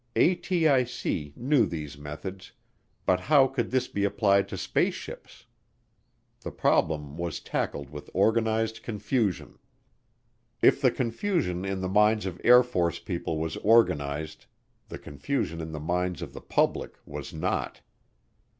ATIC knew these methods, but how could this be applied to spaceships? The problem was tackled with organized confusion. If the confusion in the minds of Air Force people was organized the confusion in the minds of the public was not.